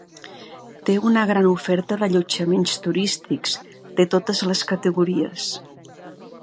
Té una gran oferta d'allotjaments turístics de totes les categories.